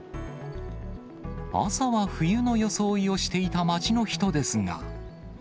朝は冬の装いをしていた街の人ですが。